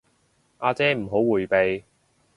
阿姐唔好迴避